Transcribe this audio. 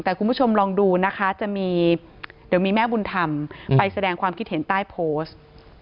แต่คุณผู้ชมลองดูนะคะจะมีเดี๋ยวมีแม่บุญธรรมไปแสดงความคิดเห็นใต้โพสต์